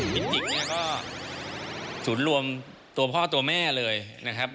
มิติกนี่ก็สูญรวมตัวพ่อตัวแม่เลยนะครับ